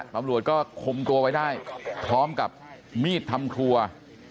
ตำรวจก็คุมตัวไว้ได้พร้อมกับมีดทำครัว